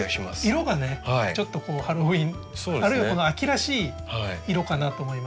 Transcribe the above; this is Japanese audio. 色がねちょっとハロウィーンあるいは秋らしい色かなと思いまして。